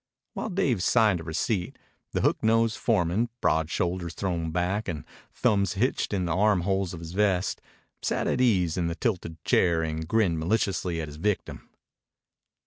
While Dave signed a receipt the hook nosed foreman, broad shoulders thrown back and thumbs hitched in the arm holes of his vest, sat at ease in a tilted chair and grinned maliciously at his victim.